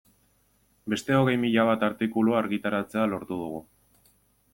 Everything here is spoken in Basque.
Beste hogei mila bat artikulu argitaratzea lortu dugu.